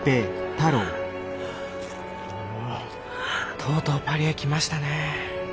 とうとうパリへ来ましたね。